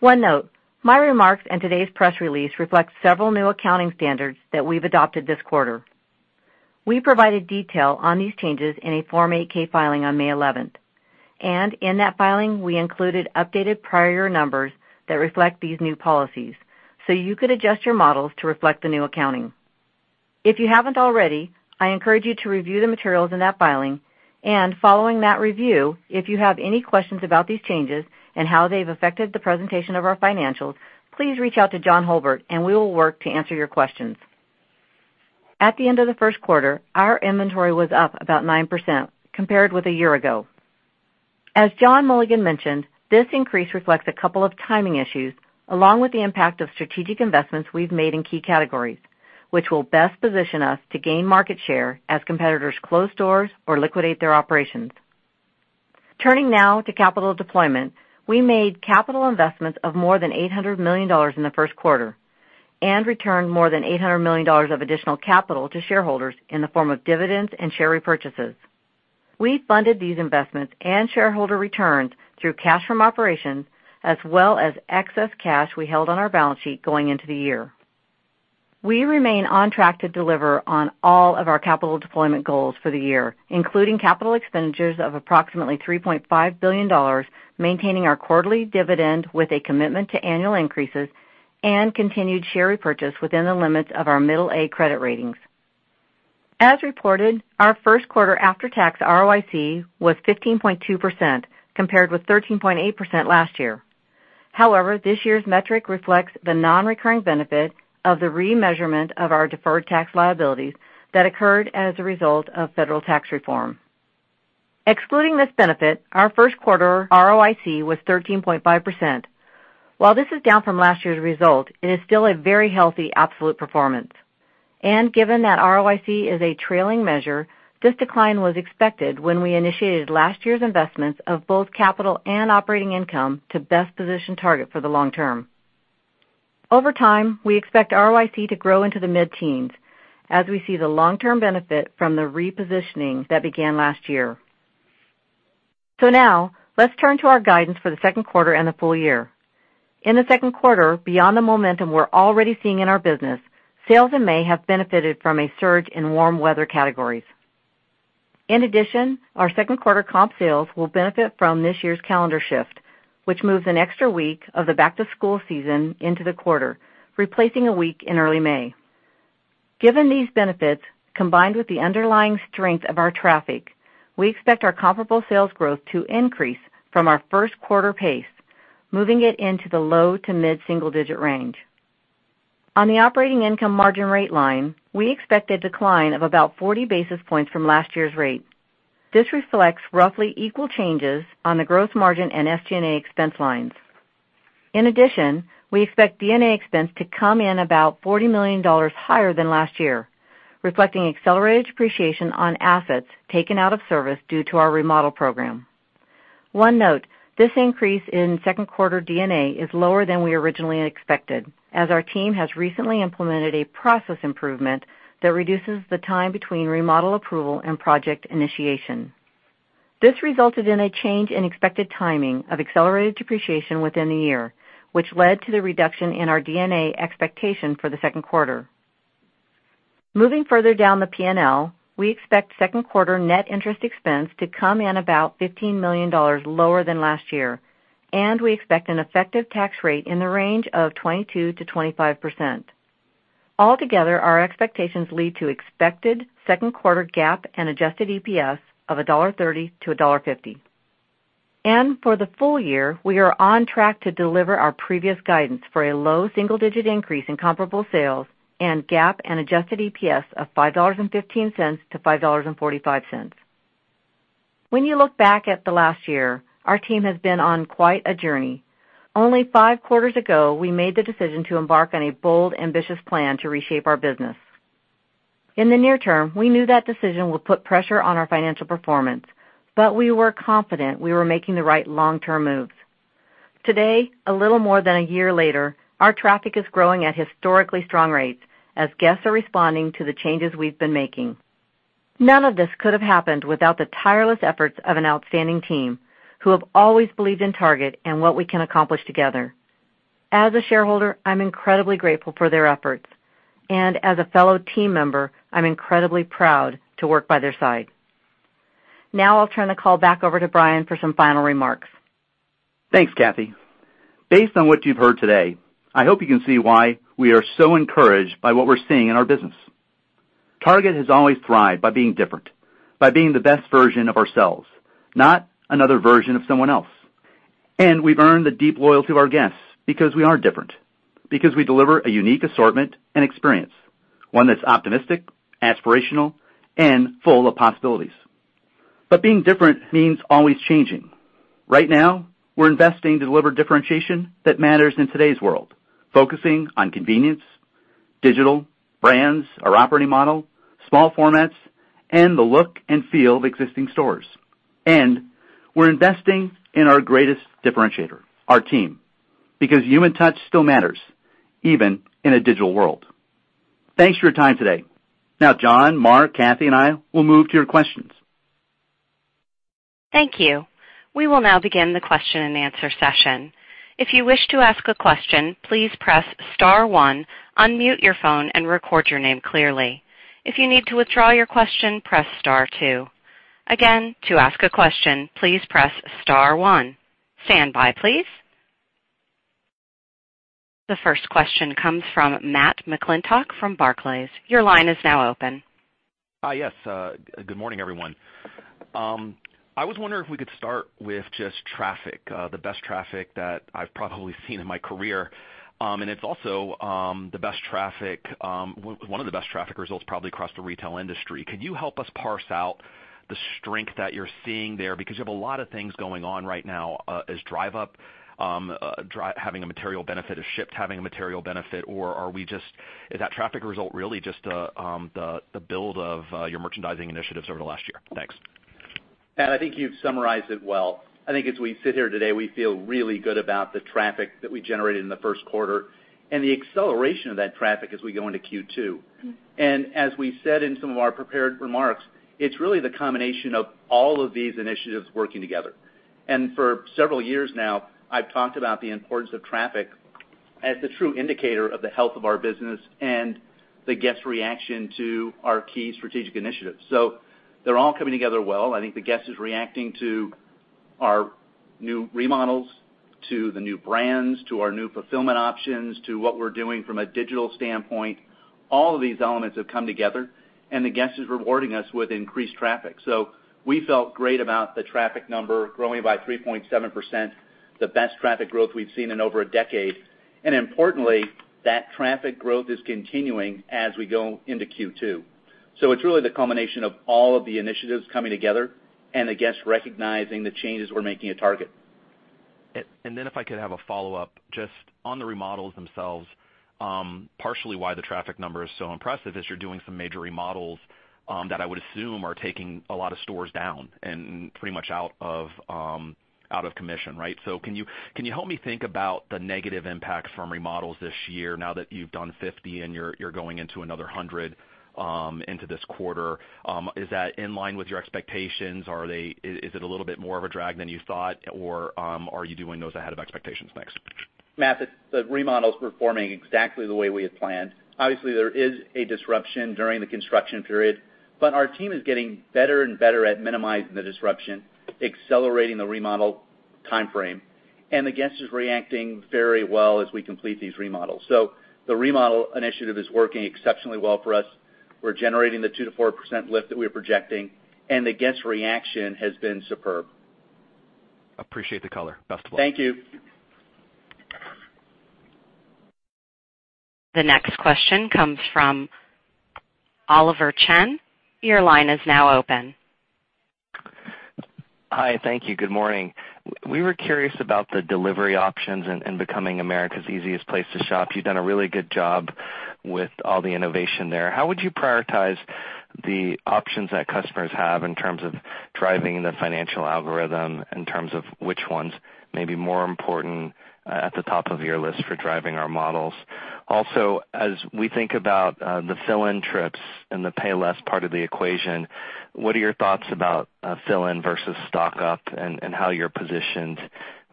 One note, my remarks in today's press release reflect several new accounting standards that we've adopted this quarter. We provided detail on these changes in a Form 8-K filing on May 11th. In that filing, we included updated prior year numbers that reflect these new policies so you could adjust your models to reflect the new accounting. If you haven't already, I encourage you to review the materials in that filing. Following that review, if you have any questions about these changes and how they've affected the presentation of our financials, please reach out to John Hulbert and we will work to answer your questions. At the end of the first quarter, our inventory was up about 9% compared with a year ago. As John Mulligan mentioned, this increase reflects a couple of timing issues along with the impact of strategic investments we've made in key categories, which will best position us to gain market share as competitors close stores or liquidate their operations. Turning now to capital deployment. We made capital investments of more than $800 million in the first quarter and returned more than $800 million of additional capital to shareholders in the form of dividends and share repurchases. We funded these investments and shareholder returns through cash from operations as well as excess cash we held on our balance sheet going into the year. We remain on track to deliver on all of our capital deployment goals for the year, including capital expenditures of approximately $3.5 billion, maintaining our quarterly dividend with a commitment to annual increases, and continued share repurchase within the limits of our middle A credit ratings. As reported, our first quarter after-tax ROIC was 15.2%, compared with 13.8% last year. However, this year's metric reflects the non-recurring benefit of the remeasurement of our deferred tax liabilities that occurred as a result of Federal Tax Reform. Excluding this benefit, our first quarter ROIC was 13.5%. While this is down from last year's result, it is still a very healthy absolute performance. And given that ROIC is a trailing measure, this decline was expected when we initiated last year's investments of both capital and operating income to best position Target for the long term. Over time, we expect ROIC to grow into the mid-teens as we see the long-term benefit from the repositioning that began last year. Now, let's turn to our guidance for the second quarter and the full year. In the second quarter, beyond the momentum we're already seeing in our business, sales in May have benefited from a surge in warm weather categories. In addition, our second quarter comp sales will benefit from this year's calendar shift, which moves an extra week of the back-to-school season into the quarter, replacing a week in early May. Given these benefits, combined with the underlying strength of our traffic, we expect our comparable sales growth to increase from our first quarter pace, moving it into the low to mid-single digit range. On the operating income margin rate line, we expect a decline of about 40 basis points from last year's rate. This reflects roughly equal changes on the gross margin and SG&A expense lines. In addition, we expect D&A expense to come in about $40 million higher than last year, reflecting accelerated depreciation on assets taken out of service due to our remodel program. One note, this increase in second quarter D&A is lower than we originally expected, as our team has recently implemented a process improvement that reduces the time between remodel approval and project initiation. This resulted in a change in expected timing of accelerated depreciation within the year, which led to the reduction in our D&A expectation for the second quarter. Moving further down the P&L, we expect second quarter net interest expense to come in about $15 million lower than last year, and we expect an effective tax rate in the range of 22%-25%. All together, our expectations lead to expected second quarter GAAP and adjusted EPS of $1.30-$1.50. For the full year, we are on track to deliver our previous guidance for a low single-digit increase in comparable sales and GAAP and adjusted EPS of $5.15-$5.45. When you look back at the last year, our team has been on quite a journey. Only five quarters ago, we made the decision to embark on a bold, ambitious plan to reshape our business. In the near term, we knew that decision would put pressure on our financial performance, but we were confident we were making the right long-term moves. Today, a little more than a year later, our traffic is growing at historically strong rates as guests are responding to the changes we've been making. None of this could have happened without the tireless efforts of an outstanding team who have always believed in Target and what we can accomplish together. As a shareholder, I'm incredibly grateful for their efforts, and as a fellow team member, I'm incredibly proud to work by their side. I'll turn the call back over to Brian for some final remarks. Thanks, Cathy. Based on what you've heard today, I hope you can see why we are so encouraged by what we're seeing in our business. Target has always thrived by being different, by being the best version of ourselves, not another version of someone else. We've earned the deep loyalty of our guests because we are different, because we deliver a unique assortment and experience, one that's optimistic, aspirational, and full of possibilities. Being different means always changing. Right now, we're investing to deliver differentiation that matters in today's world, focusing on convenience, digital, brands, our operating model, small formats, and the look and feel of existing stores. We're investing in our greatest differentiator, our team, because human touch still matters, even in a digital world. Thanks for your time today. John, Mark, Cathy, and I will move to your questions. Thank you. We will now begin the question and answer session. If you wish to ask a question, please press *1, unmute your phone and record your name clearly. If you need to withdraw your question, press *2. Again, to ask a question, please press *1. Stand by, please. The first question comes from Matthew McClintock from Barclays. Your line is now open. Yes. Good morning, everyone. I was wondering if we could start with just traffic, the best traffic that I've probably seen in my career. It's also one of the best traffic results probably across the retail industry. Could you help us parse out the strength that you're seeing there? Because you have a lot of things going on right now. Is Drive Up having a material benefit? Is Shipt having a material benefit? Is that traffic result really just the build of your merchandising initiatives over the last year? Thanks. Matt, I think you've summarized it well. I think as we sit here today, we feel really good about the traffic that we generated in the first quarter and the acceleration of that traffic as we go into Q2. As we said in some of our prepared remarks, it's really the combination of all of these initiatives working together. For several years now, I've talked about the importance of traffic as the true indicator of the health of our business and the guest reaction to our key strategic initiatives. They're all coming together well. I think the guest is reacting to our new remodels, to the new brands, to our new fulfillment options, to what we're doing from a digital standpoint. All of these elements have come together and the guest is rewarding us with increased traffic. We felt great about the traffic number growing by 3.7%, the best traffic growth we've seen in over a decade. Importantly, that traffic growth is continuing as we go into Q2. It's really the culmination of all of the initiatives coming together and the guests recognizing the changes we're making at Target. If I could have a follow-up just on the remodels themselves. Partially why the traffic number is so impressive is you're doing some major remodels that I would assume are taking a lot of stores down and pretty much out of commission, right? Can you help me think about the negative impact from remodels this year now that you've done 50 and you're going into another 100 into this quarter? Is that in line with your expectations, is it a little bit more of a drag than you thought, are you doing those ahead of expectations? Thanks. Matt, the remodels were performing exactly the way we had planned. Obviously, there is a disruption during the construction period, but our team is getting better and better at minimizing the disruption, accelerating the remodel timeframe, and the guest is reacting very well as we complete these remodels. The remodel initiative is working exceptionally well for us. We're generating the 2%-4% lift that we are projecting, and the guest reaction has been superb. Appreciate the color. Best of luck. Thank you. The next question comes from Oliver Chen. Your line is now open. Hi. Thank you. Good morning. We were curious about the delivery options and becoming America's easiest place to shop. You've done a really good job with all the innovation there. How would you prioritize the options that customers have in terms of driving the financial algorithm, in terms of which ones may be more important at the top of your list for driving our models? Also, as we think about the fill-in trips and the Pay Less part of the equation, what are your thoughts about fill-in versus stock-up and how you're positioned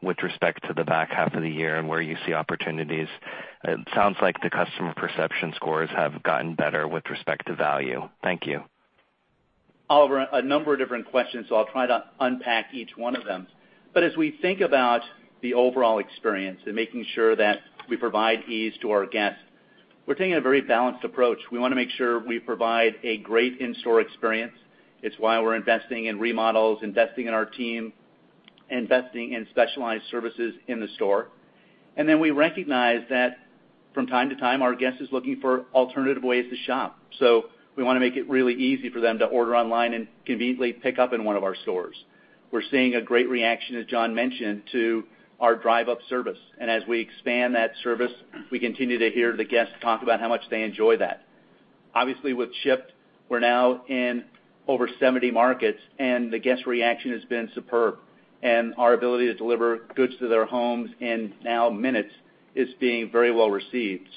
With respect to the back half of the year and where you see opportunities, it sounds like the customer perception scores have gotten better with respect to value. Thank you. Oliver, a number of different questions. I'll try to unpack each one of them. As we think about the overall experience and making sure that we provide ease to our guests, we're taking a very balanced approach. We want to make sure we provide a great in-store experience. It's why we're investing in remodels, investing in our team, investing in specialized services in the store. We recognize that from time to time, our guest is looking for alternative ways to shop. We want to make it really easy for them to order online and conveniently pick up in one of our stores. We're seeing a great reaction, as John mentioned, to our Drive Up service. As we expand that service, we continue to hear the guests talk about how much they enjoy that. Obviously, with Shipt, we're now in over 70 markets. The guest reaction has been superb. Our ability to deliver goods to their homes in now minutes is being very well received.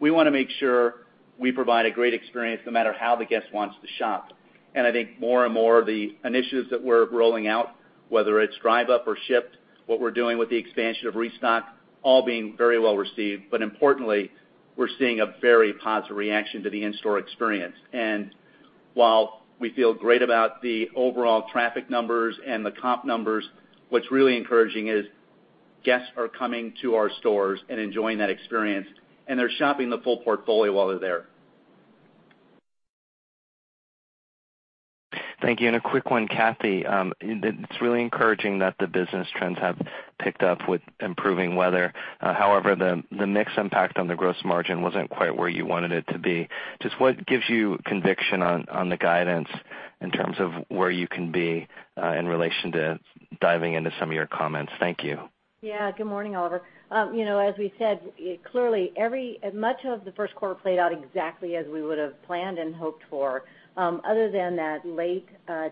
We want to make sure we provide a great experience no matter how the guest wants to shop. I think more and more the initiatives that we're rolling out, whether it's Drive Up or Shipt, what we're doing with the expansion of Target Restock, all being very well received. Importantly, we're seeing a very positive reaction to the in-store experience. While we feel great about the overall traffic numbers and the comp numbers, what's really encouraging is guests are coming to our stores and enjoying that experience, and they're shopping the full portfolio while they're there. Thank you. A quick one, Cathy. It's really encouraging that the business trends have picked up with improving weather. However, the mix impact on the gross margin wasn't quite where you wanted it to be. Just what gives you conviction on the guidance in terms of where you can be in relation to diving into some of your comments? Thank you. Yeah. Good morning, Oliver. As we said, clearly, much of the first quarter played out exactly as we would have planned and hoped for other than that late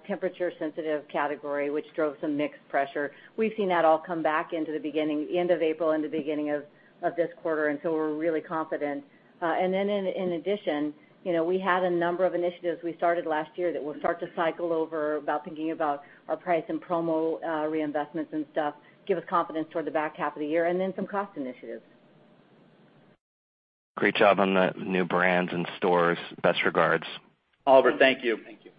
temperature sensitive category, which drove some mix pressure. We've seen that all come back into the end of April and the beginning of this quarter, and so we're really confident. In addition, we had a number of initiatives we started last year that will start to cycle over about thinking about our price and promo reinvestments and stuff, give us confidence toward the back half of the year and then some cost initiatives. Great job on the new brands and stores. Best regards. Oliver, thank you. Thank you.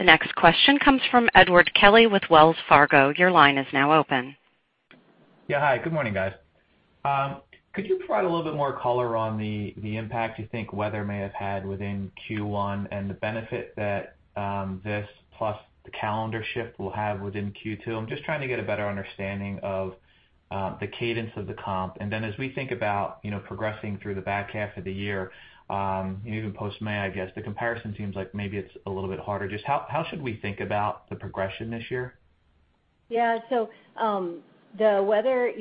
The next question comes from Edward Kelly with Wells Fargo. Your line is now open. Yeah. Hi, good morning, guys. Could you provide a little bit more color on the impact you think weather may have had within Q1 and the benefit that this plus the calendar shift will have within Q2? I'm just trying to get a better understanding of the cadence of the comp. Then as we think about progressing through the back half of the year, even post-May, I guess, the comparison seems like maybe it's a little bit harder. Just how should we think about the progression this year? Yeah. The weather,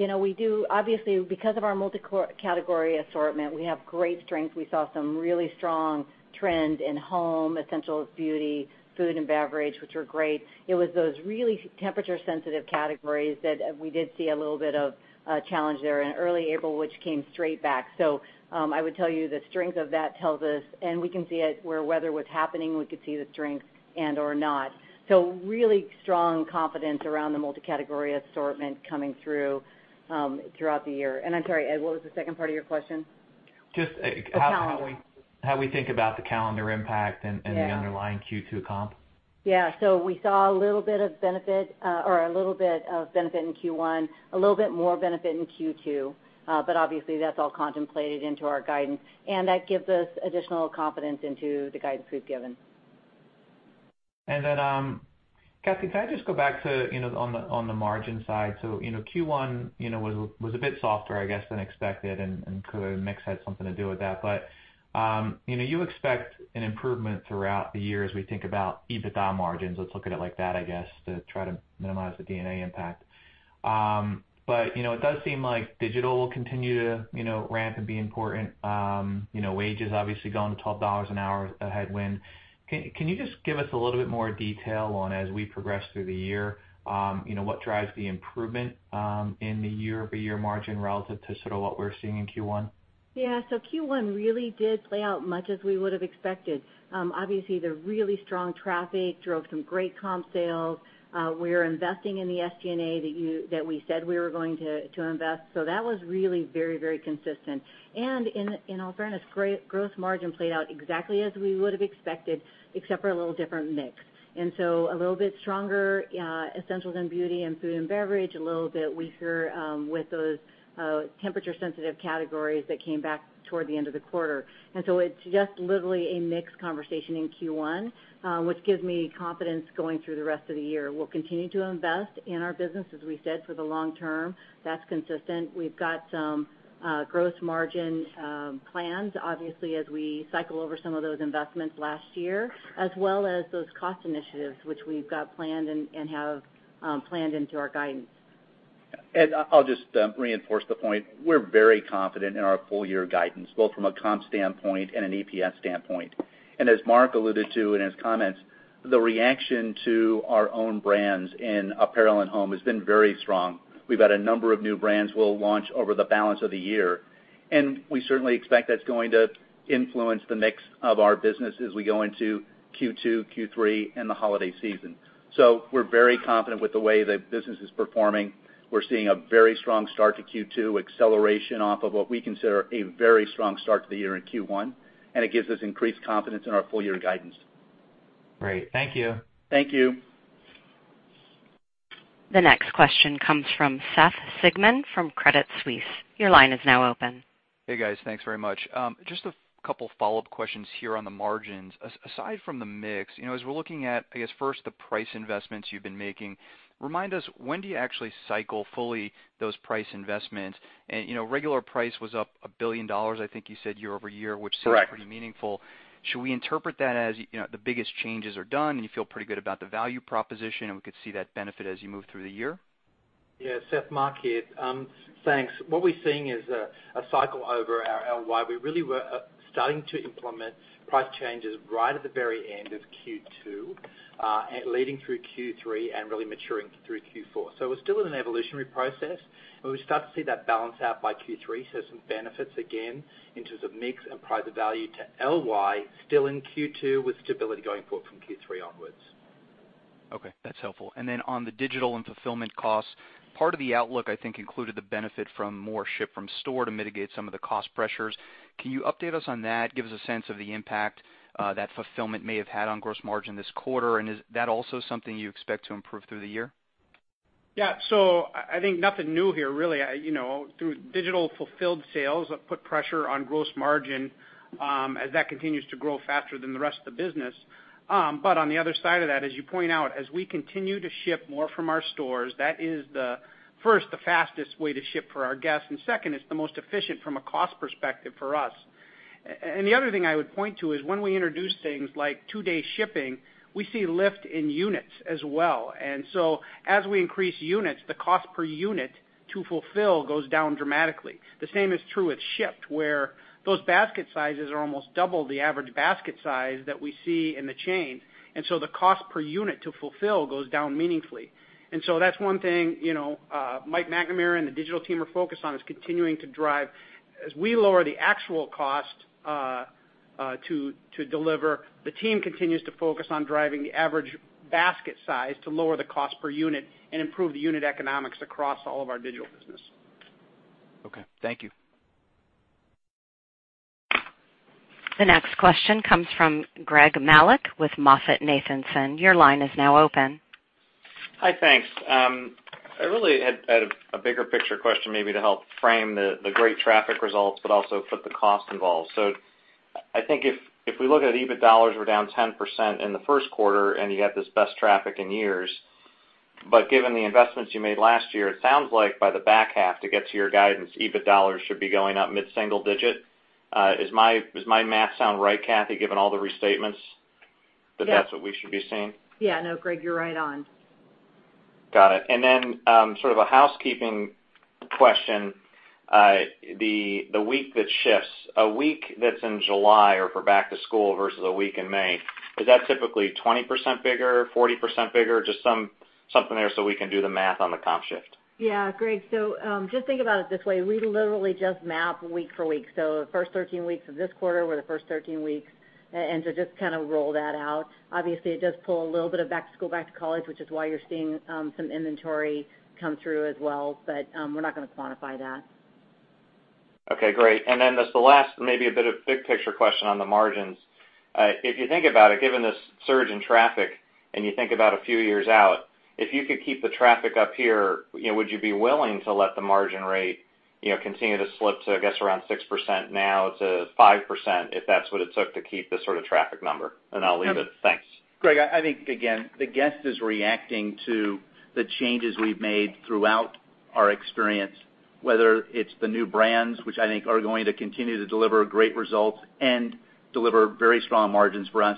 obviously, because of our multi-category assortment, we have great strength. We saw some really strong trends in home, essentials, beauty, food and beverage, which were great. It was those really temperature sensitive categories that we did see a little bit of a challenge there in early April, which came straight back. I would tell you the strength of that tells us, and we can see it where weather was happening, we could see the strength and or not. Really strong confidence around the multi-category assortment coming through throughout the year. I'm sorry, Ed, what was the second part of your question? Just- The calendar. How we think about the calendar impact and the underlying Q2 comp. Yeah. We saw a little bit of benefit in Q1. A little bit more benefit in Q2. Obviously, that's all contemplated into our guidance, and that gives us additional confidence into the guidance we've given. Cathy, can I just go back to on the margin side. Q1 was a bit softer, I guess, than expected, and mix had something to do with that. You expect an improvement throughout the year as we think about EBITDA margins. Let's look at it like that, I guess, to try to minimize the D&A impact. It does seem like digital will continue to ramp and be important. Wages obviously going to $12 an hour headwind. Can you just give us a little bit more detail on as we progress through the year, what drives the improvement in the year-over-year margin relative to sort of what we're seeing in Q1? Yeah. Q1 really did play out much as we would have expected. Obviously, the really strong traffic drove some great comp sales. We're investing in the SG&A that we said we were going to invest. That was really very consistent. In all fairness, gross margin played out exactly as we would have expected except for a little different mix. A little bit stronger essentials and beauty and food and beverage, a little bit weaker with those temperature sensitive categories that came back toward the end of the quarter. It's just literally a mix conversation in Q1, which gives me confidence going through the rest of the year. We'll continue to invest in our business, as we said, for the long term. That's consistent. We've got some gross margin plans, obviously, as we cycle over some of those investments last year, as well as those cost initiatives, which we've got planned and have planned into our guidance. I'll just reinforce the point. We're very confident in our full-year guidance, both from a comp standpoint and an EPS standpoint. As Mark alluded to in his comments, the reaction to our own brands in apparel and home has been very strong. We've got a number of new brands we'll launch over the balance of the year, and we certainly expect that's going to influence the mix of our business as we go into Q2, Q3, and the holiday season. We're very confident with the way the business is performing. We're seeing a very strong start to Q2, acceleration off of what we consider a very strong start to the year in Q1, and it gives us increased confidence in our full-year guidance. Great. Thank you. Thank you. The next question comes from Seth Sigman from Credit Suisse. Your line is now open. Hey, guys. Thanks very much. Just a couple follow-up questions here on the margins. Aside from the mix, as we're looking at, I guess, first, the price investments you've been making, remind us, when do you actually cycle fully those price investments? Regular price was up $1 billion, I think you said, year-over-year. Correct Which seems pretty meaningful. Should we interpret that as the biggest changes are done, and you feel pretty good about the value proposition, and we could see that benefit as you move through the year? Yeah. Seth, Mark here. Thanks. What we're seeing is a cycle over our LY. We really were starting to implement price changes right at the very end of Q2, leading through Q3 and really maturing through Q4. We're still in an evolutionary process, but we start to see that balance out by Q3. Some benefits, again, in terms of mix and price of value to LY still in Q2 with stability going forward from Q3 onwards. Okay, that's helpful. On the digital and fulfillment costs, part of the outlook, I think, included the benefit from more ship from store to mitigate some of the cost pressures. Can you update us on that? Give us a sense of the impact that fulfillment may have had on gross margin this quarter, and is that also something you expect to improve through the year? Yeah. I think nothing new here, really. Through digital fulfilled sales put pressure on gross margin as that continues to grow faster than the rest of the business. On the other side of that, as you point out, as we continue to ship more from our stores, that is, first, the fastest way to ship for our guests and second, it's the most efficient from a cost perspective for us. The other thing I would point to is when we introduce things like two-day shipping, we see lift in units as well. As we increase units, the cost per unit to fulfill goes down dramatically. The same is true with Shipt, where those basket sizes are almost double the average basket size that we see in the chain, the cost per unit to fulfill goes down meaningfully. That's one thing Mike McNamara and the digital team are focused on, is continuing to drive. As we lower the actual cost to deliver, the team continues to focus on driving the average basket size to lower the cost per unit and improve the unit economics across all of our digital business. Okay, thank you. The next question comes from Greg Melich with MoffettNathanson. Your line is now open. Hi, thanks. I really had a bigger picture question maybe to help frame the great traffic results but also put the cost involved. I think if we look at EBIT dollars, we're down 10% in the first quarter, and you have this best traffic in years. Given the investments you made last year, it sounds like by the back half to get to your guidance, EBIT dollars should be going up mid-single digit. Does my math sound right, Cathy, given all the restatements- Yes that's what we should be seeing? Yeah. No, Greg, you're right on. Got it. Then sort of a housekeeping question. The week that shifts, a week that's in July or for back to school versus a week in May, is that typically 20% bigger, 40% bigger? Just something there so we can do the math on the comp shift. Yeah, Greg. Just think about it this way. We literally just map week for week. The first 13 weeks of this quarter were the first 13 weeks, just kind of roll that out. Obviously, it does pull a little bit of back to school, back to college, which is why you're seeing some inventory come through as well. We're not going to quantify that. Okay, great. Then just the last, maybe a bit of big picture question on the margins. If you think about it, given this surge in traffic and you think about a few years out, if you could keep the traffic up here, would you be willing to let the margin rate continue to slip to, I guess, around 6% now to 5%, if that's what it took to keep this sort of traffic number? I'll leave it. Thanks. Greg, I think, again, the guest is reacting to the changes we've made throughout our experience, whether it's the new brands, which I think are going to continue to deliver great results and deliver very strong margins for us.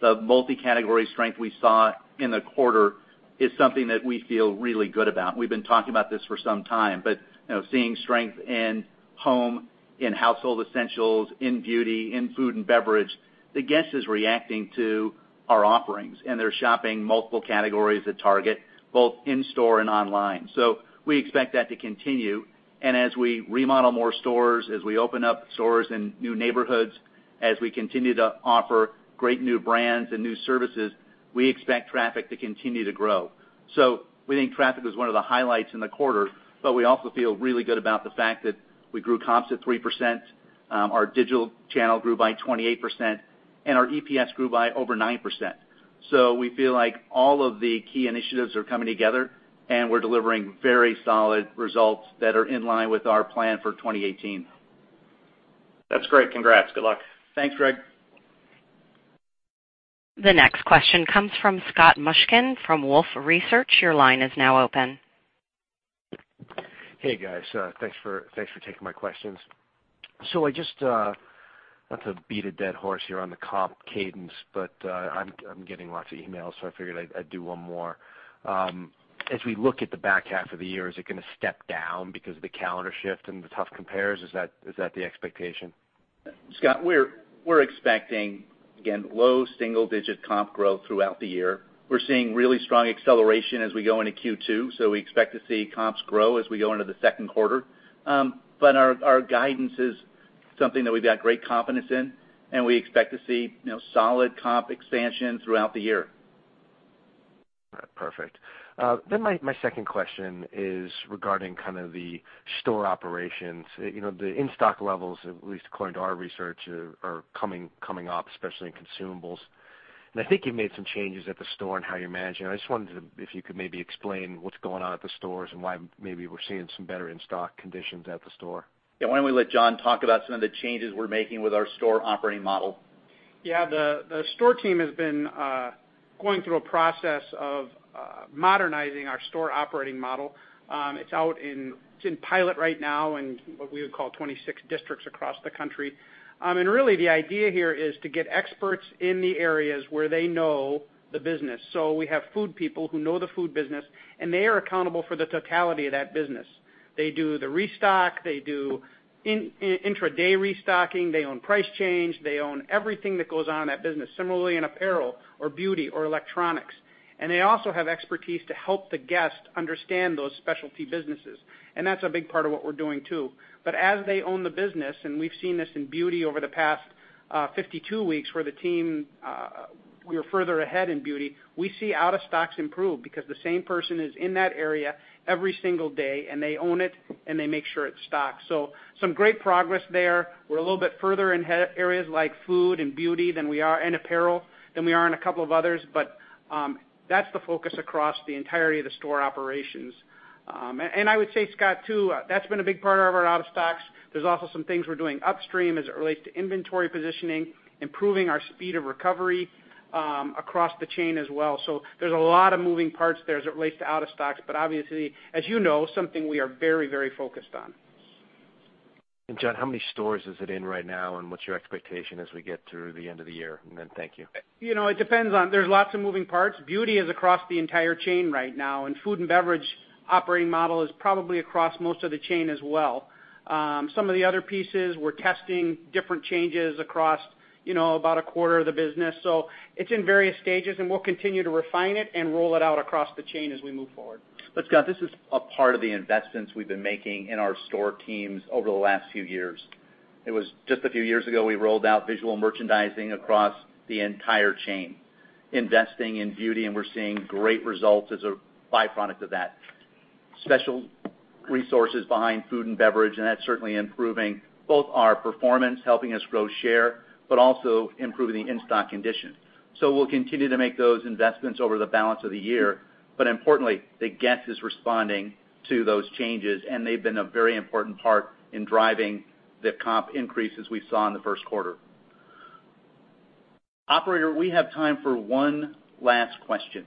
The multi-category strength we saw in the quarter is something that we feel really good about. We've been talking about this for some time. Seeing strength in home, in household essentials, in beauty, in food and beverage, the guest is reacting to our offerings, and they're shopping multiple categories at Target, both in store and online. We expect that to continue. As we remodel more stores, as we open up stores in new neighborhoods, as we continue to offer great new brands and new services, we expect traffic to continue to grow. We think traffic is one of the highlights in the quarter, but we also feel really good about the fact that we grew comps at 3%, our digital channel grew by 28%, and our EPS grew by over 9%. We feel like all of the key initiatives are coming together, and we're delivering very solid results that are in line with our plan for 2018. That's great. Congrats. Good luck. Thanks, Greg. The next question comes from Scott Mushkin from Wolfe Research. Your line is now open. Hey, guys. Thanks for taking my questions. Not to beat a dead horse here on the comp cadence, but I'm getting lots of emails, I figured I'd do one more. As we look at the back half of the year, is it going to step down because of the calendar shift and the tough compares? Is that the expectation? Scott, we're expecting, again, low single digit comp growth throughout the year. We're seeing really strong acceleration as we go into Q2, we expect to see comps grow as we go into the second quarter. Our guidance is something that we've got great confidence in, we expect to see solid comp expansion throughout the year. All right. Perfect. My second question is regarding the store operations. The in-stock levels, at least according to our research, are coming up, especially in consumables. I think you've made some changes at the store and how you manage it. I just wondered if you could maybe explain what's going on at the stores and why maybe we're seeing some better in-stock conditions at the store. Yeah, why don't we let John talk about some of the changes we're making with our store operating model? Yeah. The store team has been going through a process of modernizing our store operating model. It's in pilot right now in what we would call 26 districts across the country. Really, the idea here is to get experts in the areas where they know the business. We have food people who know the food business, and they are accountable for the totality of that business. They do the restock. They do intra-day restocking. They own price change. They own everything that goes on in that business. Similarly in apparel or beauty or electronics. They also have expertise to help the guest understand those specialty businesses, and that's a big part of what we're doing, too. As they own the business, and we've seen this in beauty over the past 52 weeks, where we are further ahead in beauty. We see out of stocks improve because the same person is in that area every single day, and they own it, and they make sure it's stocked. Some great progress there. We're a little bit further in areas like food and beauty and apparel than we are in a couple of others. That's the focus across the entirety of the store operations. I would say, Scott, too, that's been a big part of our out of stocks. There's also some things we're doing upstream as it relates to inventory positioning, improving our speed of recovery across the chain as well. There's a lot of moving parts there as it relates to out of stocks, but obviously, as you know, something we are very focused on. John, how many stores is it in right now, and what's your expectation as we get through the end of the year? Thank you. There's lots of moving parts. Beauty is across the entire chain right now, and food and beverage operating model is probably across most of the chain as well. Some of the other pieces, we're testing different changes across about a quarter of the business. It's in various stages, and we'll continue to refine it and roll it out across the chain as we move forward. Scott, this is a part of the investments we've been making in our store teams over the last few years. It was just a few years ago, we rolled out visual merchandising across the entire chain, investing in beauty, and we're seeing great results as a by-product of that. Special resources behind food and beverage, and that's certainly improving both our performance, helping us grow share, but also improving the in-stock condition. We'll continue to make those investments over the balance of the year. Importantly, the guest is responding to those changes, and they've been a very important part in driving the comp increases we saw in the first quarter. Operator, we have time for one last question.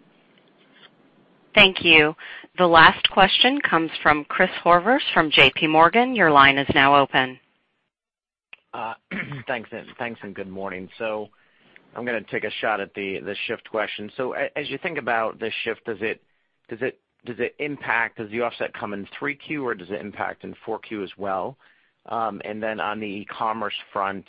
Thank you. The last question comes from Christopher Horvers from JP Morgan. Your line is now open. Thanks, and good morning. I'm going to take a shot at the shift question. As you think about this shift, does the offset come in three Q, or does it impact in four Q as well? On the e-commerce front,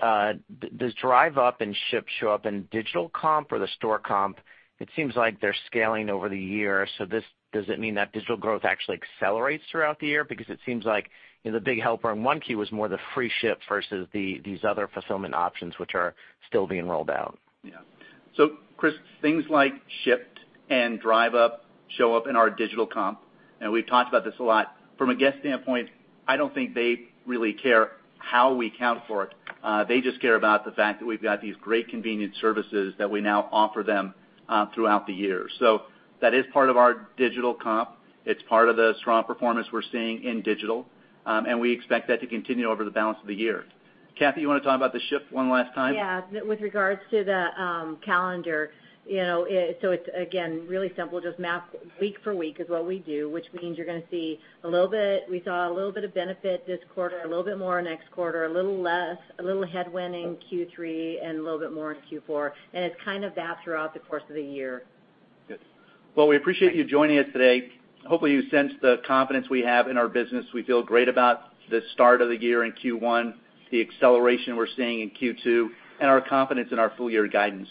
does Drive Up and Shipt show up in digital comp or the store comp? It seems like they're scaling over the year. Does it mean that digital growth actually accelerates throughout the year? Because it seems like the big helper in one Q was more the free ship versus these other fulfillment options, which are still being rolled out. Yeah. Chris, things like Shipt and Drive Up show up in our digital comp, and we've talked about this a lot. From a guest standpoint, I don't think they really care how we account for it. They just care about the fact that we've got these great convenient services that we now offer them throughout the year. That is part of our digital comp. It's part of the strong performance we're seeing in digital. We expect that to continue over the balance of the year. Cathy, you want to talk about the shift one last time? Yeah. With regards to the calendar, it's again, really simple. Just math week for week is what we do, which means you're going to see we saw a little bit of benefit this quarter, a little bit more next quarter, a little less, a little headwind in Q3, and a little bit more in Q4. It's kind of that throughout the course of the year. Good. Well, we appreciate you joining us today. Hopefully, you sense the confidence we have in our business. We feel great about the start of the year in Q1, the acceleration we're seeing in Q2, and our confidence in our full-year guidance.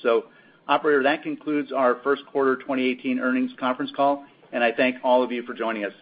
Operator, that concludes our first quarter 2018 earnings conference call, and I thank all of you for joining us.